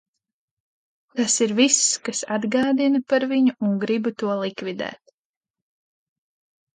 Tas ir viss, kas atgādina par viņu un gribu to likvidēt!